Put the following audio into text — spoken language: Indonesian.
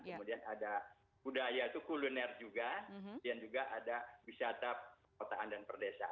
kemudian ada budaya itu kuliner juga dan juga ada wisata perkotaan dan perdesaan